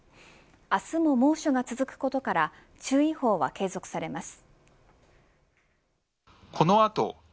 明日も猛暑が続くことから注意報は継続されます。